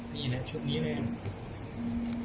นี่แหละชุดนี้เลย